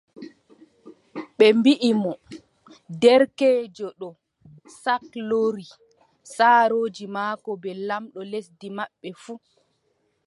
Ɓe mbii mo : derkeejo ɗo saldori saarooji maako bee lamɗo lesdi maɓɓe fuu,